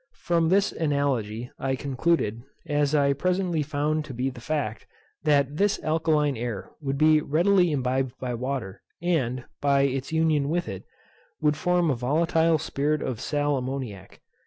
From this analogy I concluded, as I presently found to be the fact, that this alkaline air would be readily imbibed by water, and, by its union with it, would form a volatile spirit of sal ammoniac.